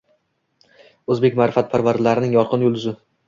O‘zbek ma’rifatparvarlarining yorqin yulduzi